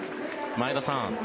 前田さん